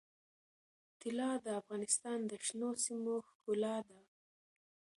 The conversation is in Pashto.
طلا د افغانستان د شنو سیمو ښکلا ده.